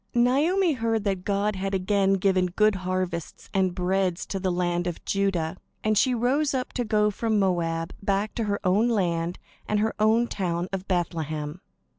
Naomi heard that God had again given good harvests and bread to the land of Judah, and she rose up to go from Moab back to her own land and her own town of Bethlehem.